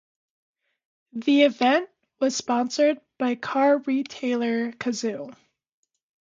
The event was sponsored by car retailer Cazoo.